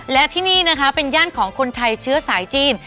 และที่นี่นะคะเป็นย่านของคนไทยเชื้อสายจีน